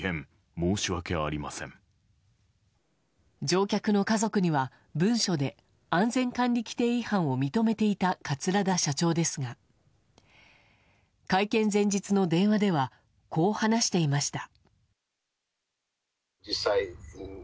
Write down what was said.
乗客の家族には、文書で安全管理規程違反を認めていた桂田社長ですが会見前日の電話ではこう話していました。